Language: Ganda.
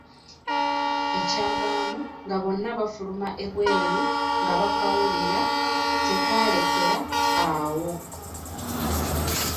Ekyavaamu nga bonna bafuluma ebweru nga bakawulira tekalekera awo.